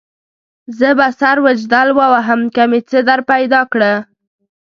زه به سر وجدل ووهم که مې څه درپیدا کړه.